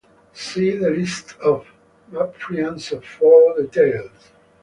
See the List of Maphrians for details.